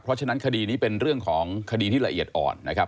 เพราะฉะนั้นคดีนี้เป็นเรื่องของคดีที่ละเอียดอ่อนนะครับ